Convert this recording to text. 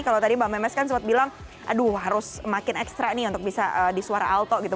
kalau tadi mbak memes kan sempat bilang aduh harus makin ekstra nih untuk bisa di suara alto gitu